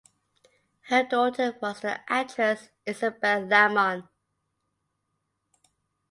Her daughter was the actress Isabel Lamon.